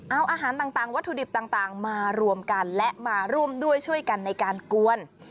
เอาอาหารต่างวัตถุดิบต่างมารวมกันและมาร่วมด้วยช่วยกันในการกวน